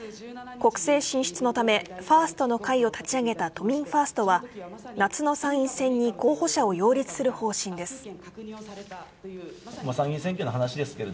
国政進出のためファーストの会を立ち上げた夏の参院選に候補者を擁立する方針です。